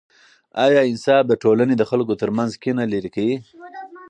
آیا انصاف د ټولنې د خلکو ترمنځ کینه لیرې کوي؟